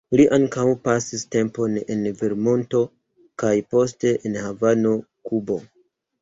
Li ankaŭ pasis tempon en Vermonto kaj poste en Havano, Kubo.